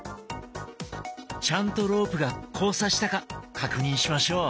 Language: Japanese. ちゃんとロープが交差したか確認しましょう。